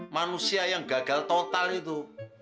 manusia yang gagal total itu